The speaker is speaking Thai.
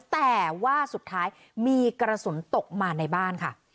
แต่ว่าสุดท้ายมีกระสุนตกมาในบ้านค่ะ